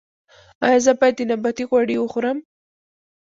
ایا زه باید د نباتي غوړي وخورم؟